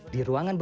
di ruang ruang ini